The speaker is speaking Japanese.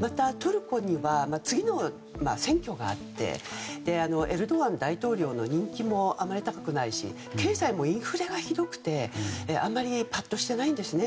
また、トルコには次の選挙があってエルドアン大統領の人気もあまり高くなくて経済もインフレがひどくてあまりぱっとしていないんですね。